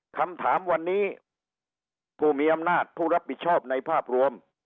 คำถามวันนี้ผู้มีอำนาจผู้รับผิดชอบในภาพรวม